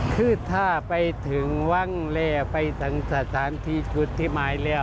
คือถ้าไปถึงวังไปทั้งสถานที่กุฏิหมายเลย